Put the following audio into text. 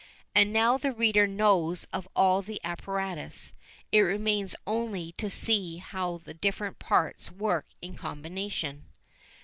And now the reader knows of all the apparatus; it remains only to see how the different parts work in combination.